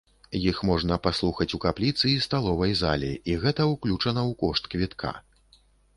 Іх можна паслухаць у капліцы і сталовай зале, і гэта ўключана ў кошт квітка.